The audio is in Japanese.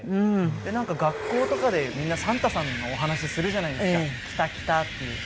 なんか学校とかでみんなサンタさんのお話するじゃないですか「来た来た」っていう。